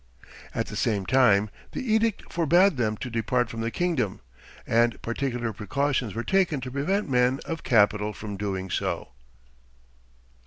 At the same time, the edict forbade them to depart from the kingdom, and particular precautions were taken to prevent men of capital from doing so.